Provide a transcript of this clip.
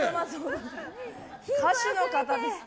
歌手の方です。